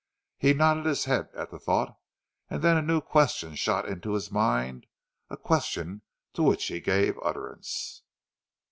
He nodded his head at the thought, and then a new question shot into his mind, a question to which he gave utterance.